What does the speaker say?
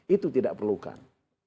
itu tidak perlukan